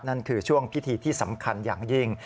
นั่นคือช่วงพิธีที่สำคัญอย่างยิ่ง